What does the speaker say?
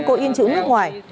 có in chữ nước ngoài